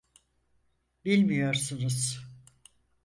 Bilmiyorsunuz.